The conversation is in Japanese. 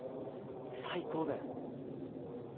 最高だよ